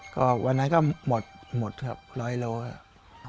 ก็วันนั้นก็หมดครับร้อยโลครับ